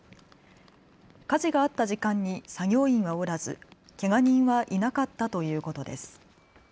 火事があった時間に作業員はおらず、けが人はいなかったということです。